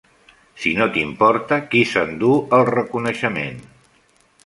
Si no t'importa qui s'endú el reconeixement.